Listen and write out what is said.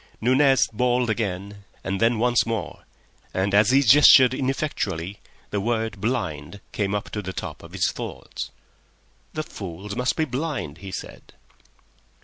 Nunez bawled again, and then once more, and as he gestured ineffectually the word "blind" came up to the top of his thoughts. "The fools must be blind," he said.